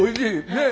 ねえ。